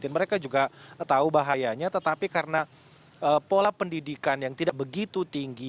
mereka juga tahu bahayanya tetapi karena pola pendidikan yang tidak begitu tinggi